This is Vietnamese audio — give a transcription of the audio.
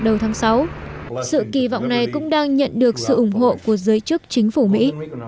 đầu tháng sáu sự kỳ vọng này cũng đang nhận được sự ủng hộ của giới chức chính phủ mỹ